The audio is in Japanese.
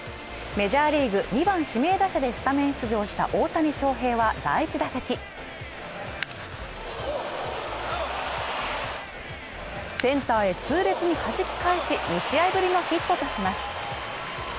メジャーリーグ２番指名打者でスタメン出場した大谷翔平は第１打席センターへ痛烈にはじき返し２試合ぶりのヒットとします